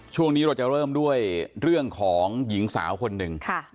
ช่วงนี้เราจะเริ่มด้วยเรื่องของหญิงสาวคนหนึ่ง